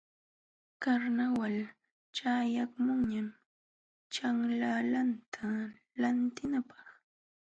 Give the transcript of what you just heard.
Karnawal ćhayaqmunñam ćhanlalanta lantinapaq.